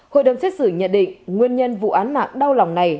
hội đồng xét xử nhận định nguyên nhân vụ án mạng đau lòng này